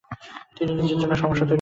তিনি নিজের জন্য সমস্যা তৈরি করেছিলেন।